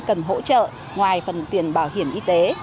cần hỗ trợ ngoài phần tiền bảo hiểm y tế